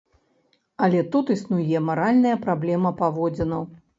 Але тут існуе маральная праблема паводзінаў.